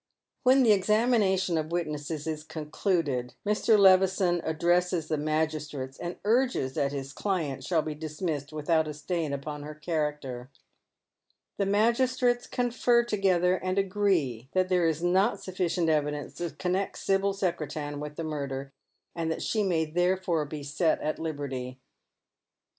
When the examination of witnesses is concluded Mr. Levison addresses the magistrates, and urges that his client shall be dis missed without a stain upon her character. The magistrates confer together, and agree that there is not sufficient evidence to connect Sibyl Secretan with the murder, ^nd that she may therefore be set at liberty.